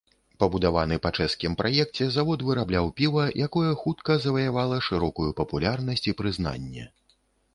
Пабудаваны па чэшскім праекце, завод вырабляў піва, якое хутка заваявала шырокую папулярнасць і прызнанне.